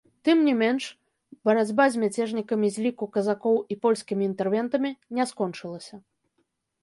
Тым не менш, барацьба з мяцежнікамі з ліку казакоў і польскімі інтэрвентамі не скончылася.